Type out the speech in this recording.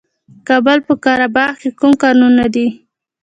د کابل په قره باغ کې کوم کانونه دي؟